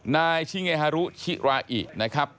นายชิเงฮารุชิราอินะครับ